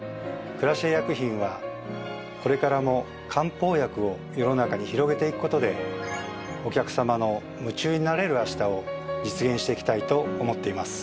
クラシエ薬品はこれからも漢方薬を世の中に広げていく事でお客様の「夢中になれる明日」を実現していきたいと思っています。